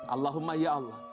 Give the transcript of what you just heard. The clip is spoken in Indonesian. allahumma ya allah